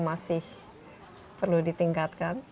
masih perlu ditingkatkan